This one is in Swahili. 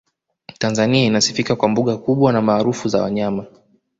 tanzania inasifika kwa mbuga kubwa na maarufu za wanyama